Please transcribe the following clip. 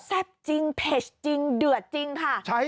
แซ่บจริงเผจจริงเดือดจริงค่ะ